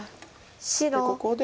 でここで。